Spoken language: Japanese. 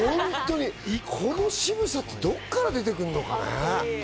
この渋さってどこから出てくるのかね。